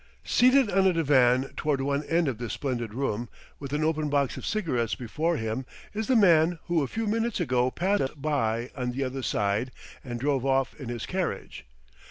Seated on a divan toward one end of this splendid room, with an open box of cigarettes before him, is the man who a few minutes ago passed us by on the other side and drove off in his carriage.